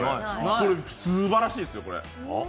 これ、すばらしいですよ。